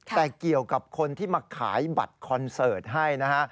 แต่เกี่ยวกับคนที่มาขายบัตรคอนเสิร์ตให้นะฮะ